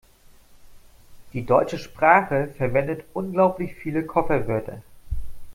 Die deutsche Sprache verwendet unglaublich viele Kofferwörter.